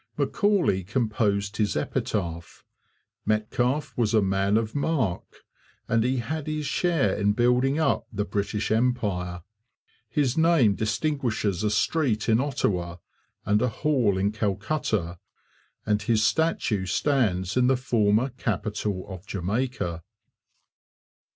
Macaulay composed his epitaph. Metcalfe was a man of mark; and he had his share in building up the British Empire. His name distinguishes a street in Ottawa and a hall in Calcutta; and his statue stands in the former capital of Jamaica.